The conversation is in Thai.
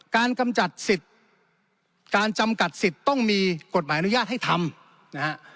กำจัดสิทธิ์การจำกัดสิทธิ์ต้องมีกฎหมายอนุญาตให้ทำนะฮะ